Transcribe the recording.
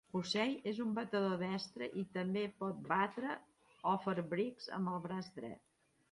Hussey és un batedor destre i també pot batre "offbreaks" amb el braç dret.